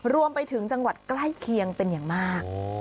รวมไปถึงจังหวัดใกล้เคียงเป็นอย่างมาก